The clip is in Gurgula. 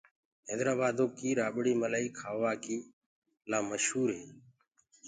هيدرآبآدو ڪي رڀڙ ملآئي کآوآ ڪي لآ مشور هي۔